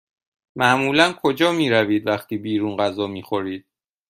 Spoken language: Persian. معمولا کجا می روید وقتی بیرون غذا می خورید؟